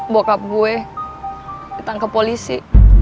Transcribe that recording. bokap gue ditangkap polisi